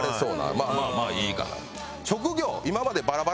まあまあまあいいかな。